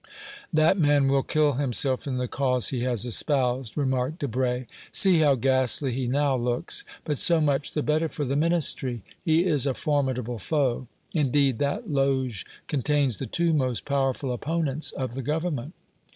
"That man will kill himself in the cause he has espoused," remarked Debray. "See how ghastly he now looks. But so much the better for the Ministry. He is a formidable foe. Indeed, that loge contains the two most powerful opponents of the Government."